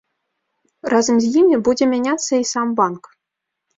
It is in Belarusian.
Разам з імі будзе мяняцца і сам банк.